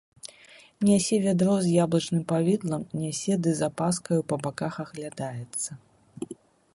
Нясе вядро з яблычным павідлам, нясе ды з апаскаю па баках аглядаецца.